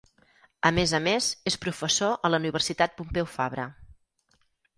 A més a més, és professor a la Universitat Pompeu Fabra.